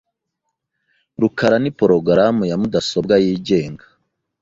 rukara ni porogaramu ya mudasobwa yigenga .